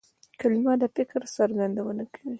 کلیمه د فکر څرګندونه کوي.